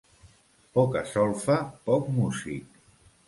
Poca solfa, poc músic.